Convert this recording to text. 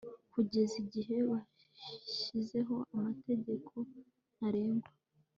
kugeza igihe bashizeho amategeko ntarengwa